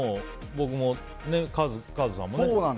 僕も、カズさんもね。